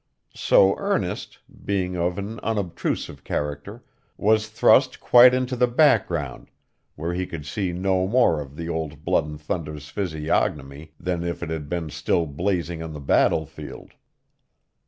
So Ernest, being of an unobtrusive character, was thrust quite into the background, where he could see no more of Old Blood and Thunder's physiognomy than if it had been still blazing on the battlefield.